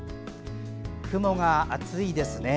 雲が厚いですね。